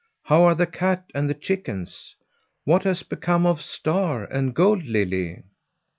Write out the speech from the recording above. How are the cat and the chickens? What has become of Star and Gold Lily?"